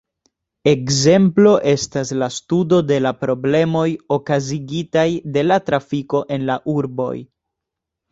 Ekzemplo estas la studo de la problemoj okazigitaj de la trafiko en la urboj.